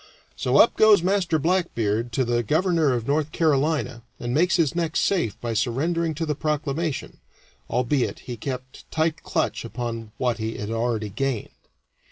So up goes Master Blackbeard to the Governor of North Carolina and makes his neck safe by surrendering to the proclamation albeit he kept tight clutch upon what he had already gained.